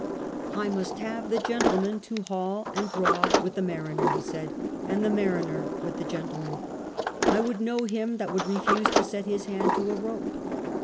" I must have the gentleman to haul and draw with the mariner," he cried, " and the mariner with the gentleman. I would know him that would refuse to set his hand to a rope."